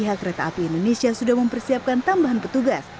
pihak kereta api indonesia sudah mempersiapkan tambahan petugas